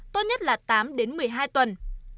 tốt nhất là tám đến một mươi hai tuần